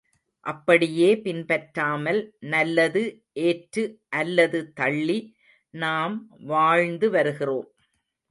அப்படியே பின்பற்றாமல் நல்லது ஏற்று அல்லது தள்ளி நாம் வாழ்ந்து வருகிறோம்.